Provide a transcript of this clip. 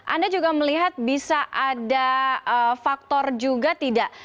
anda juga melihat bisa ada faktor juga tidak